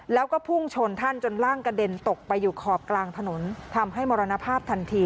แล้วก็พุ่งชนท่านจนร่างกระเด็นตกไปอยู่ขอบกลางถนนทำให้มรณภาพทันที